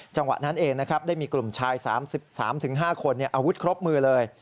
จังหวะนั้นเองนะครับได้มีกลุ่มชาย๓๓๕คนอาวุธครบมือเลย